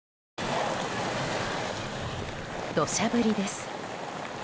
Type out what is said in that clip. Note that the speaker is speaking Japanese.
土砂降りです。